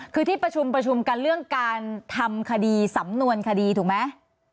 คือที่ประชุมประชุมกันเรื่องการทำคดีสำนวนคดีถูกไหม